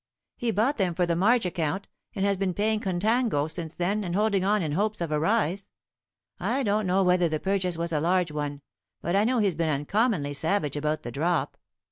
He bought them for the March account, and has been paying contango since then, and holding on in hopes of a rise. I don't know whether the purchase was a large one, but I know he's been uncommonly savage about the drop.